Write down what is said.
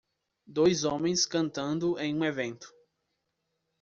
Dois homens cantando em um evento.